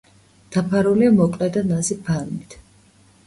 დაფარულია მოკლე და ნაზი ბალნით.